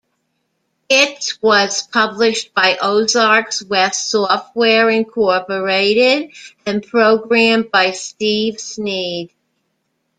It was published by Ozarks West Software Incorporated and programmed by Steve Sneed.